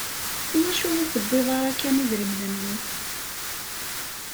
Iwacu ur tewwiḍ ara kan idrimen-nni?